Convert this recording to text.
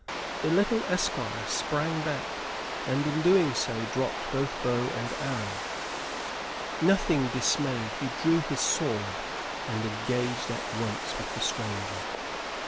The little esquire sprang back, and in doing so dropped both bow and arrow. Nothing dismayed, he drew his sword, and engaged at once with the stranger.